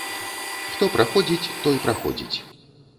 Хто праходзіць, той праходзіць.